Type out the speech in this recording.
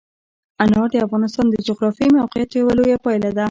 انار د افغانستان د جغرافیایي موقیعت یوه لویه پایله ده.